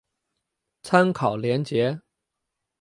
参考连结